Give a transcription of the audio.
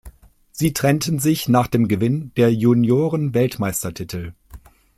Sie trennten sich nach dem Gewinn der Juniorenweltmeistertitel.